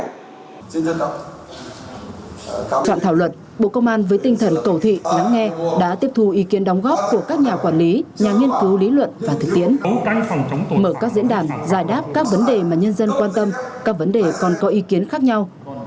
soạn thảo luật bộ công an với tinh thần cầu thị lắng nghe đã tiếp thu ý kiến đóng góp của các nhà quản lý nhà nghiên cứu lý luận và thực tiễn mở các diễn đàn giải đáp các vấn đề mà nhân dân quan tâm các vấn đề còn có ý kiến khác nhau